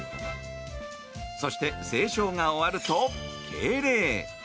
そして斉唱が終わると敬礼。